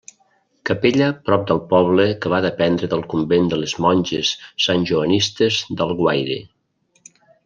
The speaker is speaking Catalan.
Capella prop del poble que va dependre del convent de les monges santjoanistes d'Alguaire.